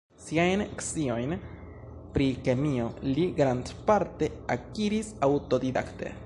Siajn sciojn pri kemio li grandparte akiris aŭtodidakte.